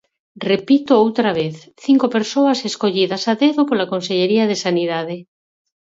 Repito outra vez: cinco persoas escollidas a dedo pola Consellería de Sanidade.